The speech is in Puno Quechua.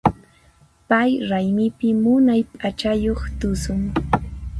Pay raymipi munay p'achayuq tusun.